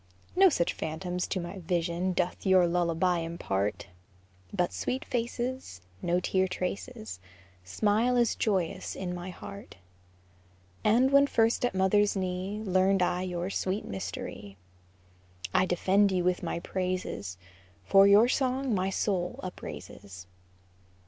No such phantoms to my vision Doth your lullaby impart, But sweet faces, No tear traces, Smile as joyous in my heart, As when first at mother's knee Learned I your sweet mystery. I defend you with my praises, For your song my soul upraises.